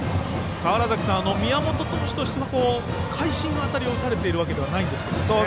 川原崎さん、宮本投手としては会心の当たりを打たれているわけではないんですけどね。